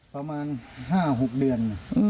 ประมาณ๕๖เดือน